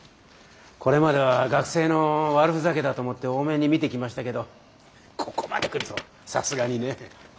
これまでは学生の悪ふざけだと思って大目に見てきましたけどここまで来るとさすがにね。